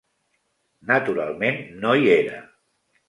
Naturalment no hi era.